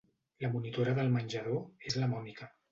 La monitora del menjador és la Mònica .